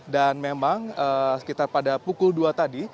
dan memang sekitar pada pukul dua tadi